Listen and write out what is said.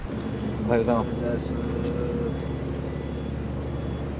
おはようございます。